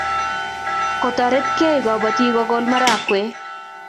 toretekei kabotinik kukol marakwe